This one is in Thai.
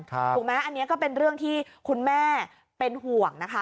ถูกไหมอันนี้ก็เป็นเรื่องที่คุณแม่เป็นห่วงนะคะ